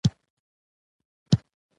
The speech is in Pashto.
ډيوه افضل په هندي سبک باندې خپله دفاعیه ولیکه